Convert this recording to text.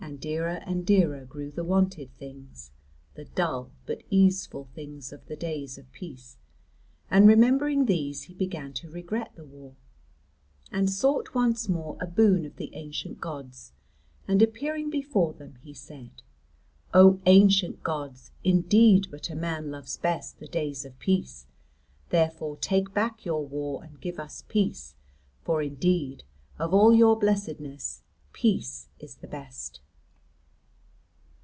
And dearer and dearer grew the wonted things, the dull but easeful things of the days of peace, and remembering these he began to regret the war, and sought once more a boon of the ancient gods, and appearing before them he said: "O ancient gods, indeed but a man loves best the days of peace. Therefore take back your war and give us peace, for indeed of all your blessedness peace is best."